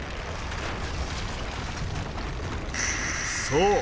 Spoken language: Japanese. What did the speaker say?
そう！